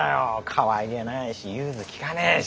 かわいげはないし融通利かねえし。